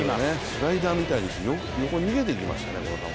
スライダーみたいに横に逃げていきましたね。